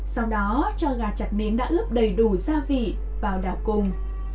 sau đó cho gà chặt nến đã ướp đầy đủ gia vị vào đảo cùng